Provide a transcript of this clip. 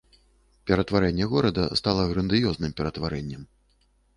Ператварэнне горада стала грандыёзным ператварэннем.